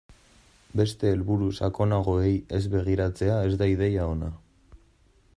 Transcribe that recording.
Beste helburu sakonagoei ez begiratzea ez da ideia ona.